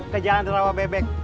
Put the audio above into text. ke jalan rawa bebek